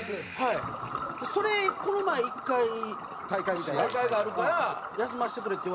それこの前１回「大会があるから休ませてくれ」って言われて。